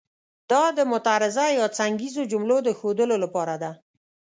دا د معترضه یا څنګیزو جملو د ښودلو لپاره ده.